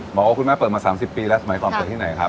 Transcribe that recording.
หมอโอคุณแม่เปิดมา๓๐ปีแล้วหมายความเปิดที่ไหนครับ